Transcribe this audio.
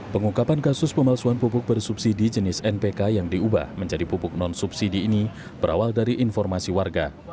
pengungkapan kasus pemalsuan pupuk bersubsidi jenis npk yang diubah menjadi pupuk non subsidi ini berawal dari informasi warga